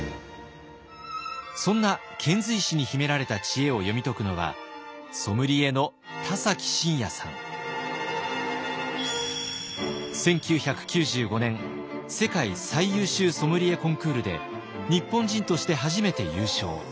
そんな遣隋使に秘められた知恵を読み解くのは１９９５年世界最優秀ソムリエコンクールで日本人として初めて優勝。